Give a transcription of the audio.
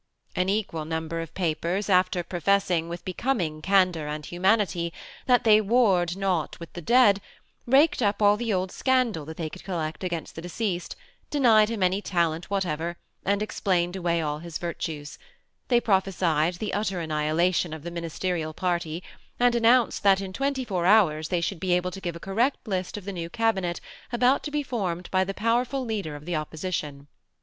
An equal number of papers, after pro fessing, with becoming candor and humanity, that ihej warred not with the dead, raked up ail the old scandal thejr could collect against the deceased, denied him any talent whatever, and explained away all his virtues; they pro^esied the utter annihilation of the ministerial party, and announced that in twenty four hours they should be able to give a correct list of the new cabinet about to be formed by the powerful leader of the oppo sition.